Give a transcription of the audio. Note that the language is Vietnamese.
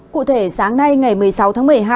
cụ thể sáng nay ngày một mươi sáu tháng một mươi hai